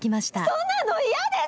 そんなの嫌です！